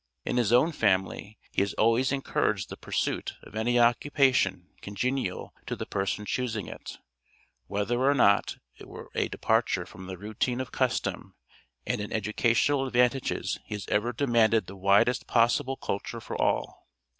In his own family, he has always encouraged the pursuit of any occupation congenial to the person choosing it; whether or not, it were a departure from the routine of custom, and in educational advantages he has ever demanded the widest possible culture for all.